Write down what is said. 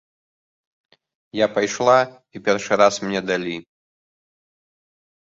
Я пайшла, і першы раз мне далі.